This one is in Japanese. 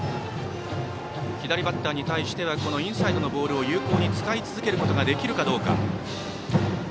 左バッターに対してはインサイドのボールを有効に使い続けられるか。